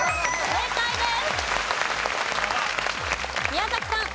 正解です。